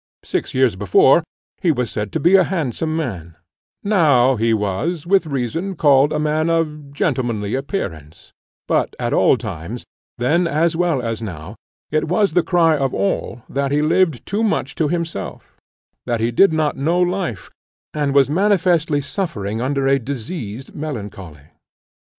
Six years before, he was said to be a handsome man; now he was with reason called a man of gentlemanly appearance: but at all times, then, as well as now, it was the cry of all, that he lived too much to himself; that he did not know life, and was manifestly suffering under a diseased melancholy.